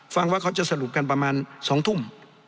ฟังว่าเขาจะสรุปกันประมาณ๒ทุ่ม